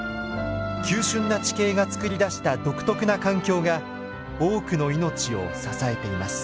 急しゅんな地形が作り出した独特な環境が多くの命を支えています。